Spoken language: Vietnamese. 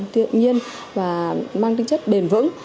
tự nhiên và mang tinh chất bền vững